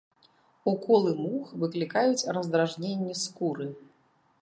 Уколы мух выклікаюць раздражненні скуры.